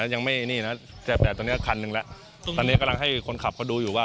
ยังไม่นี่นะแต่ตอนนี้คันหนึ่งแล้วตอนนี้กำลังให้คนขับเขาดูอยู่ว่า